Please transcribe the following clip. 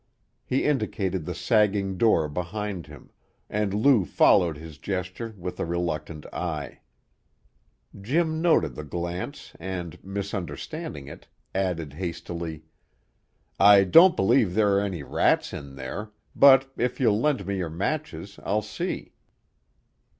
He indicated the sagging door behind him, and Lou followed his gesture with a reluctant eye. Jim noted the glance and, misunderstanding it, added hastily: "I don't believe there are any rats in there, but if you'll lend me your matches I'll see."